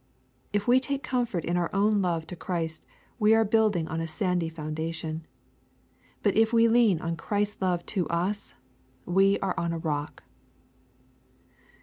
If we take comfort in our own love to Christ, we are building on a sandy foundation. But if we lean on Christ's love to us, we are on a rock.